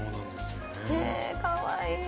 えかわいい。